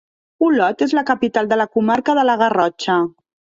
Olot és la capital de la comarca de la Garrotxa.